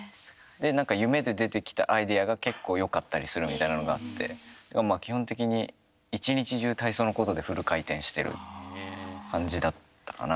何か夢で出てきたアイデアが結構よかったりするみたいなのがあって基本的に一日中体操のことでフル回転してる感じだったかな